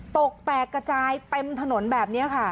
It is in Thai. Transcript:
ตกแตกกระจายเต็มถนนแบบนี้ค่ะ